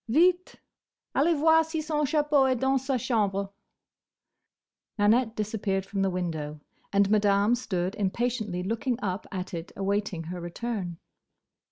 "Vite! Allez voir si son chapeau est dans sa chambre!" Nanette disappeared from the window, and Madame stood impatiently looking up at it awaiting her return.